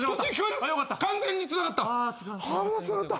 完全につながった。